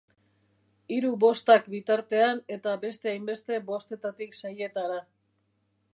Hiru bostak bitartean eta beste hainbeste bostetatik seietara.